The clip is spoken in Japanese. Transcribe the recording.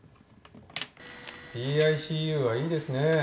ＰＩＣＵはいいですね。